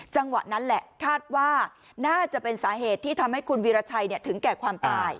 จังหวะนั้นแหละคาดว่าน่าจะเป็นสาเหตุที่ทำให้คุณวีรชัยถึงแก่ความตาย